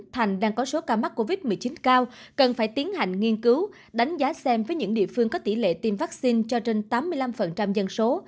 thành đang có số ca mắc covid một mươi chín cao cần phải tiến hành nghiên cứu đánh giá xem với những địa phương có tỷ lệ tiêm vaccine cho trên tám mươi năm dân số